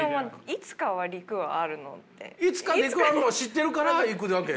いつか陸あるのを知ってるから行くわけでしょ。